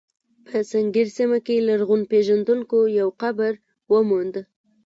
په سنګیر سیمه کې لرغونپېژندونکو یو قبر وموند.